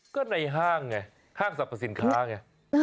ก็ในห้างไงห้างสรรพสินค้าไง